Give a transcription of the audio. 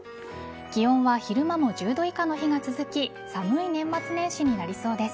気温は昼間も１０度以下の日が続き寒い年末年始になりそうです。